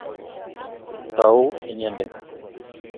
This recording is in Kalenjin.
tau inyendet